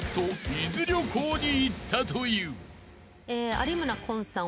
有村昆さん